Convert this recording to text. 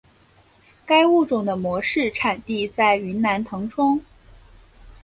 该物种的模式产地在云南腾冲。